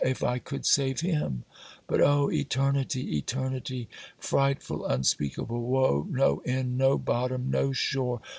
if I could save him! But oh, eternity, eternity! Frightful, unspeakable woe! No end! no bottom! no shore!